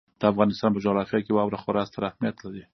د افغانستان په جغرافیه کې واوره خورا ستر اهمیت لري.